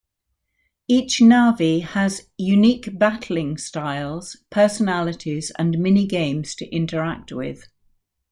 Each Navi has unique battling styles, personalities, and mini-games to interact with.